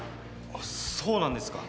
あっそうなんですか？